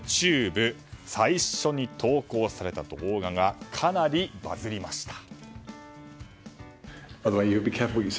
最初に投稿された動画がかなりバズりました。